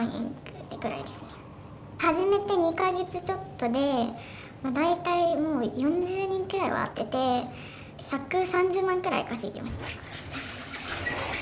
始めて２か月ちょっとで大体もう４０人くらいは会ってて１３０万くらい稼ぎました。